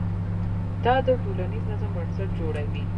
دا د ټولنیز نظم بنسټ جوړوي.